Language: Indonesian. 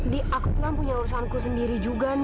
di aku tuh kan punya urusanku sendiri juga nih